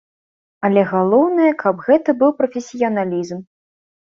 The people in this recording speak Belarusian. Але галоўнае, каб гэта быў прафесіяналізм.